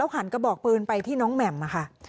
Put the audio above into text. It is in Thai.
หันกระบอกปืนไปที่น้องแหม่มค่ะ